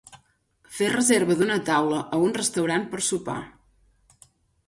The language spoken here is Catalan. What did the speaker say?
Fer reserva d'una taula a un restaurant per sopar.